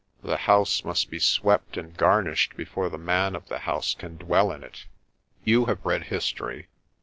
"The house must be swept and gar nished before the man of the house can dwell in it. You have read history.